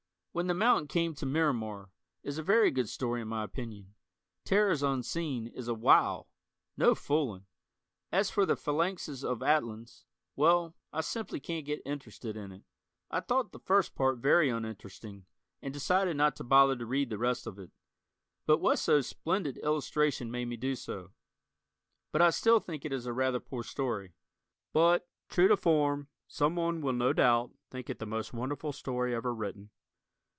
"When the Mountain Came to Miramar" is a very good story in my opinion. "Terrors Unseen" is a wow! No foolin'. As for "Phalanxes of Atlans," well, I simply can't get interested in it. I thought the first part very uninteresting and decided not to bother to read the rest of it. But Wesso's splendid illustration made me do so. But I still think it is a rather poor story. But, true to form, someone will no doubt think it the most wonderful story ever written.